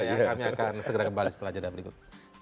kami akan segera kembali setelah jeda berikut